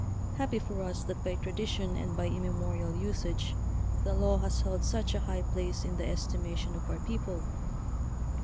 Happy for us that by tradition and by immemorial usage the law has held such a high place in the estimation of our people!